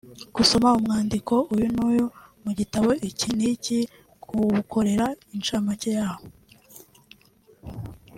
gusoma umwandiko uyu n’uyu mu gitabo iki n’iki no kuwukorera incamake yawo